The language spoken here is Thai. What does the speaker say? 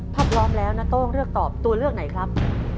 ถ้าพร้อมแล้วณโต้ตัวเลือกไหนครับ